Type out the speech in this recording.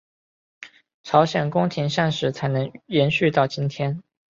朝鲜宫廷膳食才能延续到今天。